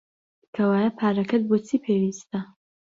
کەوایە پارەکەت بۆ چی پێویستە؟